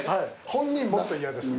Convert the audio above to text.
本人もっと嫌です。